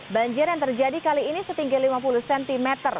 banjir yang terjadi kali ini setinggi lima puluh cm